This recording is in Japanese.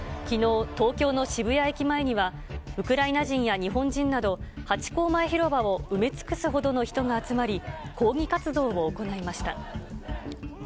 きのう、東京の渋谷駅前には、ウクライナ人や日本人など、ハチ公前広場を埋め尽くすほどの人が集まり、抗議活動を行いました。